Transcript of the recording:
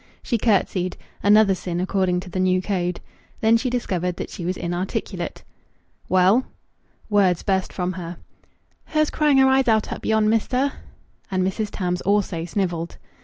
She curtsied another sin according to the new code. Then she discovered that she was inarticulate. "Well?" Words burst from her "Her's crying her eyes out up yon, mester." And Mrs. Tams also snivelled.